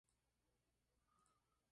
Recibió la Gran Cruz de Isabel la Católica.